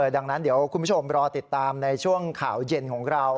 ดังนั้นเดี๋ยวคุณผู้ชมรอติดตามในช่วงข่าวเย็นของเรา